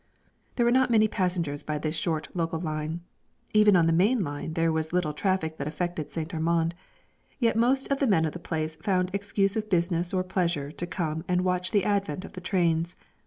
There were not many passengers by this short local line. Even on the main line there was little traffic that affected St. Armand. Yet most of the men of the place found excuse of business or pleasure to come and watch the advent of the trains.